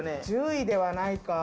１０位ではないか。